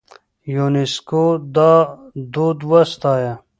يونيسکو دا دود وستايه.